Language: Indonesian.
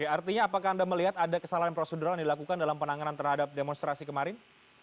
artinya apakah anda melihat ada kesalahan prosedural yang dilakukan dalam penanganan terhadap demonstrasi kemarin